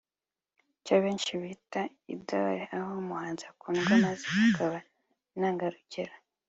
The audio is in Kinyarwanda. icyo benshi bita (idol/idole) aho umuhanzi akundwa maze akaba intangarugero